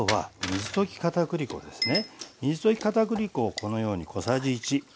水溶きかたくり粉をこのように小さじ１。